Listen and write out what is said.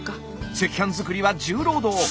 赤飯作りは重労働。